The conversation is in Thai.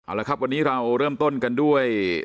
เอาละครับวันนี้เราเริ่มต้นกันด้วย